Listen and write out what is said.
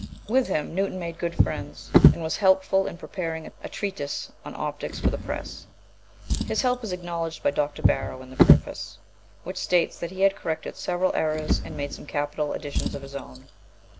With him Newton made good friends, and was helpful in preparing a treatise on optics for the press. His help is acknowledged by Dr. Barrow in the preface, which states that he had corrected several errors and made some capital additions of his own.